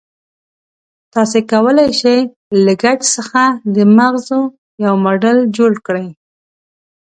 تاسې کولای شئ له ګچ څخه د مغزو یو ماډل جوړ کړئ.